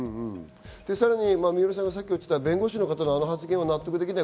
さらに三浦さんが言っていた弁護士の方のあの発言は納得できない。